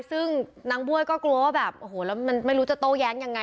ซึ่งนางบ้วยก็กลัวว่าแบบโอ้โหแล้วมันไม่รู้จะโต้แย้งยังไง